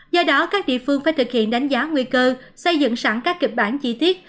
do đó các địa phương phải thực hiện đánh giá nguy cơ xây dựng sẵn các kịch bản chi tiết